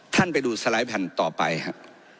ท่านไปดูสไลด์แผ่นต่อไปครับ